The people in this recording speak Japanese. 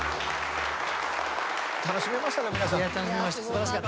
楽しめましたか？